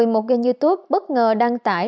một ghen youtube bất ngờ đăng tải